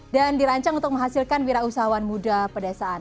dan dirancang untuk menghasilkan wira usahawan muda pedesaan